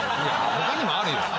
他にもあるよ！